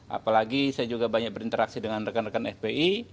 apalagi saya juga banyak berinteraksi dengan rekan rekan fpi